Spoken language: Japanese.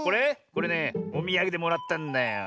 これねおみやげでもらったんだよ。